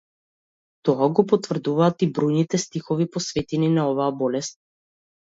Тоа го потврдуваат и бројните стихови посветени на оваа болест.